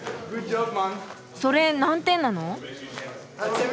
それ何点なの？